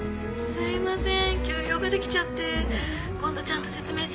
すいません